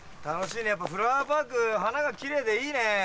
楽しいねやっぱフラワーパーク花がキレイでいいね。